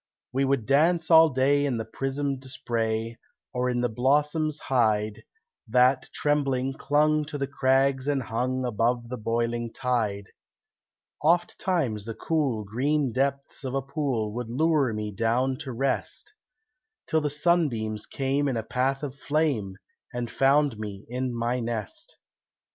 We would dance all day in the prismed spray, Or in the blossoms hide, That, trembling, clung to the crags and hung Above the boiling tide. Oftimes the cool, green depths of a pool Would lure me down to rest, Till the sunbeams came in a path of flame And found me in my nest.